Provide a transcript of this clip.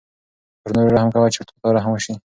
پر نورو رحم کوه چې په تا رحم وشي.